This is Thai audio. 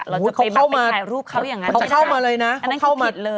เราจะไปถ่ายรูปเขาอย่างนั้น